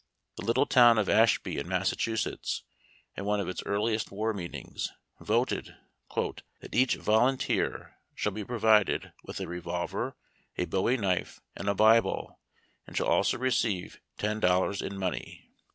The little town of Ashby in Massachusetts, at one of its earliest war meetings, voted " that each volunteer shall be provided with a revolver, a bowie knife, and a Bible, and shall also receive ten dollars in money."